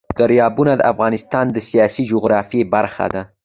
دریابونه د افغانستان د سیاسي جغرافیه برخه ده.